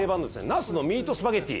ナスのミートスパゲティ。